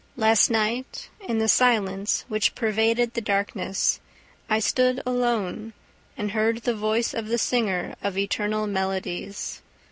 Last night, in the silence which pervaded the darkness, I stood alone and heard the voice of the singer of eternal melodies.